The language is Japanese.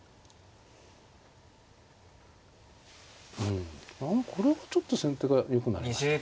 うんこれはちょっと先手がよくなりましたか。